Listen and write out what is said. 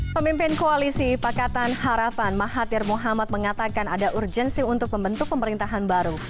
pemimpin koalisi pakatan harapan mahathir muhammad mengatakan ada urgensi untuk membentuk pemerintahan baru